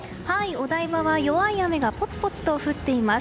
お台場は弱い雨がぽつぽつと降っています。